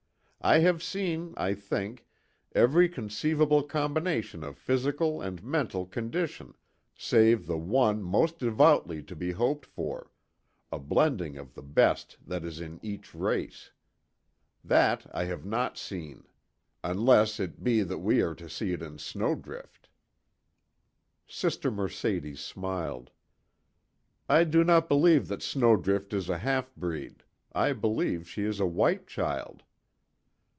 I have seen, I think, every conceivable combination of physical and mental condition, save the one most devoutly to be hoped for a blending of the best that is in each race. That I have not seen. Unless it be that we are to see it in Snowdrift." Sister Mercedes smiled: "I do not believe that Snowdrift is a half breed. I believe she is a white child."